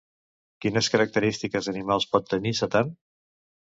Quines característiques animals pot tenir Satan?